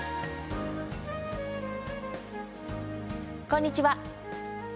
こんにちは。